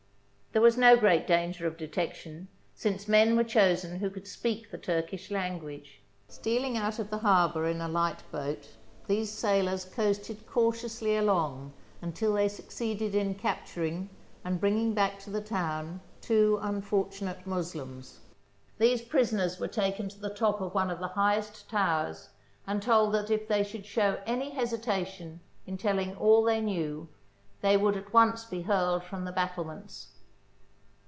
There was no great danger of detection, since men were chosen who could speak the Turkish language. Stealing out of the harbour in a light boat, these sailors coasted cautiously along until they succeed THE SIEGE OF RHODES ed in capturing and bringing back to the town two unfortunate Moslems. These prisoners were taken to the top of one of the highest towers and told that if they should show any hesitation in telling all they knew they would at once be hurled from the battle ments.